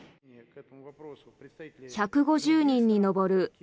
１５０人に上るＦＳＢ